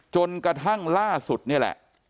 จนกระทั่งล่าสุดนี่แหละ